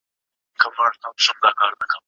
ته ولي ليکل کوې؟